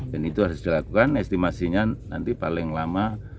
dan itu harus dilakukan estimasinya nanti paling lama